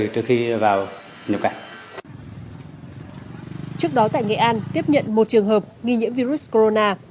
trước đó tại nghệ an tiếp nhận một trường hợp nghi nhiễm virus corona